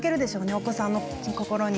お子さんの心に。